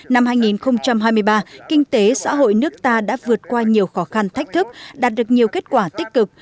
năm hai nghìn hai mươi ba kinh tế xã hội nước ta đã vượt qua nhiều khó khăn thách thức đạt được nhiều kết quả tích cực